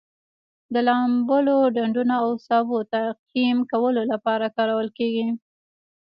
د لامبلو ډنډونو او سابو تعقیم کولو لپاره کارول کیږي.